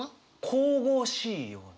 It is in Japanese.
「神々しいような」。